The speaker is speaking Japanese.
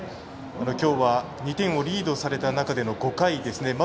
きょうは２点をリードされた中５回ですね。